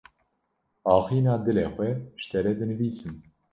Axîna dilê xwe ji te re dinivîsim.